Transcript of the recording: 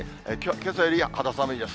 けさより肌寒いです。